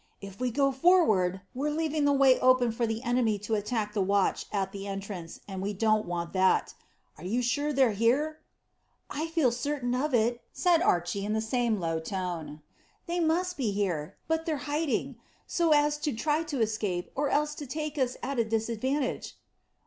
"If we go forward, we're leaving the way open for the enemy to attack the watch at the entrance, and we don't want that. Are you sure they're here?" "I feel certain of it," said Archy in the same low tone. "They must be, but they're hiding, so as to try to escape, or else to take us at a disadvantage."